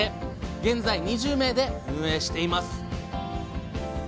現在２０名で運営しています